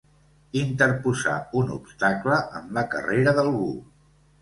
Interposar un obstacle en la carrera d'algú.